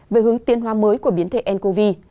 về hướng tiến hoa mới của biến thể ncov